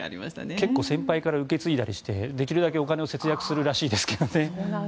結構先輩から受け継いだりしてできるだけお金を節約するらしいですけどね。